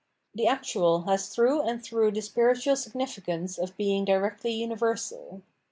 The actual has through and through the spiritual significance of being directly universal.